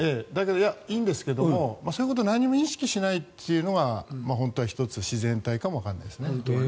いいんですけどそういうことを何も意識しないというのが本当は１つ自然体かもしれないです。